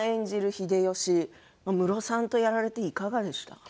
秀吉ムロさんとやられていかがでしたか？